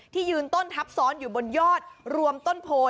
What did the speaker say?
ยืนต้นทับซ้อนอยู่บนยอดรวมต้นโพ